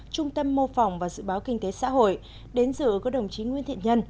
trung tâm mô phỏng và dự báo kinh tế xã hội đến dự có đồng chí nguyễn thiện nhân